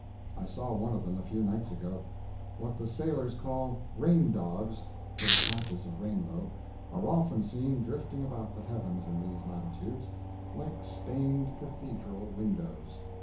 I saw one of them a few nights ago. What the sailors call "rain dogs"—little patches of rainbow—are often seen drifting about the heavens in these latitudes, like stained cathedral windows.